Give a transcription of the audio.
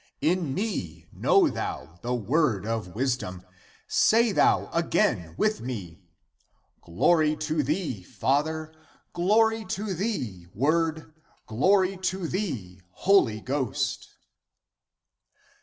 In me know thou the word of wisdom! Say thou again (with) me: Glory to thee, Father ; glory to thee, Word ; Glory to thee, Holy Ghost